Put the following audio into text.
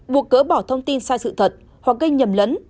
buộc cỡ bỏ thông tin sai sự thật hoặc gây nhầm lẫn